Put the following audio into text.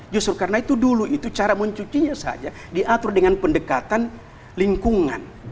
justru karena itu dulu itu cara mencucinya saja diatur dengan pendekatan lingkungan